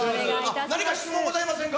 何か質問ございませんか？